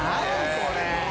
これ。